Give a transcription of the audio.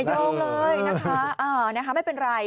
โยงเลยนะคะไม่เป็นไร